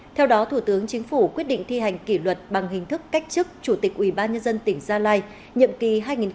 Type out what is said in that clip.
theo đó thủ tướng chính phủ quyết định thi hành kỷ luật bằng hình thức cách chức chủ tịch ubnd tỉnh gia lai nhiệm kỳ hai nghìn một mươi sáu hai nghìn hai mươi một